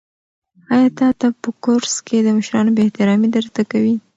آیا تا ته په کورس کې د مشرانو بې احترامي در زده کوي؟